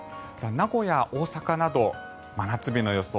名古屋、大阪など真夏日の予想。